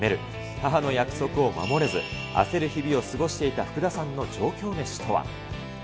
母の約束を守れず、焦る日々を過ごしていた福田さんの上京メシとは。